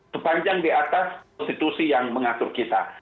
sepanjang di atas konstitusi yang mengatur kita